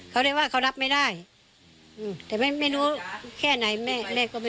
เขาเรียกว่าเขารับไม่ได้แต่ไม่รู้แค่ไหนแม่แม่ก็ไม่